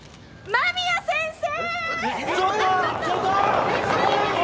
間宮先生。